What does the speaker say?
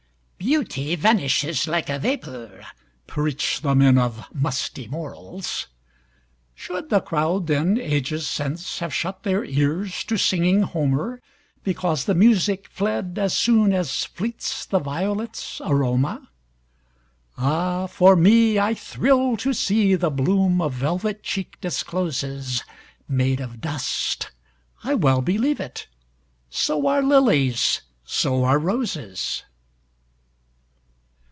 Beauty vanishes like a vapor, Preach the men of musty morals! Should the crowd then, ages since, Have shut their ears to singing Homer, Because the music fled as soonAs fleets the violets' aroma? Ah, for me, I thrill to seeThe bloom a velvet cheek discloses, Made of dust—I well believe it! So are lilies, so are roses!